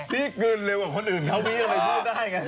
พี่กืนเลวกว่าคนอื่นเขาวี้กว่าในชื่อได้ไง